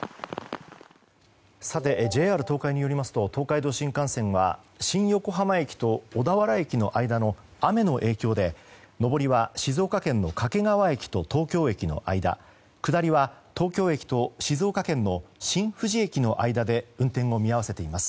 さてＪＲ東海によりますと東海道新幹線は新横浜駅と小田原駅の間の雨の影響で上りは静岡県の掛川駅と東京駅の間下りは東京駅と静岡県の新富士駅の間で運転を見合わせています。